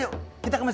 huru pun tidak takut